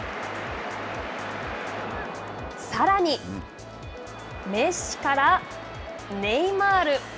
さらにメッシからネイマール。